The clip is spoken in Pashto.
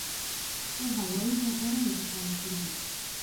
تر هوایي ډګره انتقال کړي.